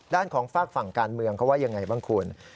ด้านของฝากฝั่งการเมืองเขาว่ายังไงบ้างคุณ